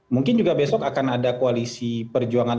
mungkin juga besok akan ada koalisi perjuangan